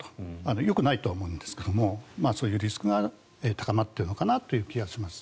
よくないとは思いますがそういうリスクが高まっているのかなという気がします。